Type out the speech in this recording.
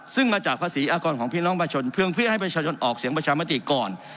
ซึ่งมาจากภาษีอากรของพี่น้องประชาชนเพื่อให้ประชาชนออกเสียงประชามติก่อน